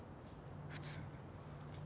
普通。